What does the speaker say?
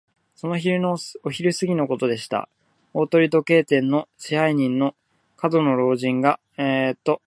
その日のお昼すぎのことでした。大鳥時計店の支配人の門野老人が、何か大きなふろしき包みをかかえて、店員たちの目をしのぶようにして、